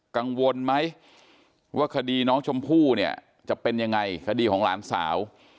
กังวลไหมว่าคดีน้องชมพู่เนี่ยจะเป็นยังไงคดีของหลานสาว